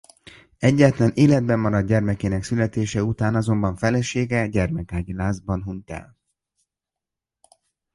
Egyetlen életben maradt gyermekének születés után azonban felesége gyermekágyi lázban hunyt el.